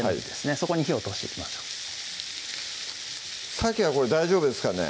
そこに火を通していきましょうさけはこれ大丈夫ですかね？